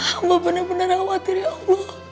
allah benar benar khawatir ya allah